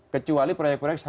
kecuali proyek proyek saya